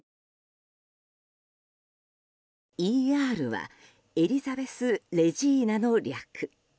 ＥＲはエリザベス・レジーナの略。